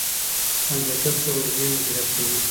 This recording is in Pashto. کمپيوټر پروژې مديريت کوي.